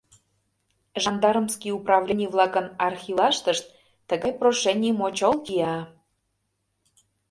Жандармский управлений-влакын архивлаштышт тыгай прошений мочол кия!